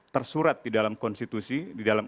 tersurat di dalam konstitusi di dalam